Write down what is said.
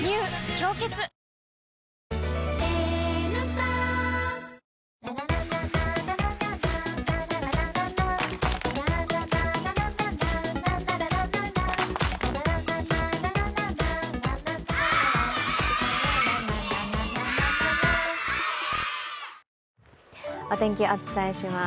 「氷結」お天気、お伝えします。